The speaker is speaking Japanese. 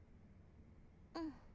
うん。